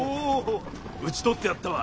討ち取ってやったわ。